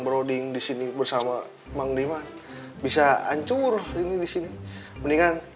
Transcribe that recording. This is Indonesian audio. reapp masturbasi ya